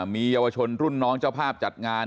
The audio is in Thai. มีเยาวชนรุ่นน้องเจ้าภาพจากสรุปแล้ว